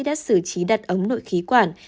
đã xử trí đặt ống nội khí quản